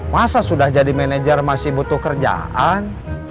masa sudah jadi manajer masih butuh kerjaan